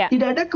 tidak ada ke